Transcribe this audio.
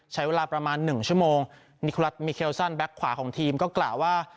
ใช้เวลาประมาณหนึ่งชั่วโมงนิคมิเคลซันแบ็คขวาของทีมก็กล่าวว่า